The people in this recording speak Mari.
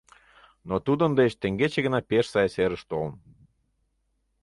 Но тудын деч теҥгече гына пеш сай серыш толын.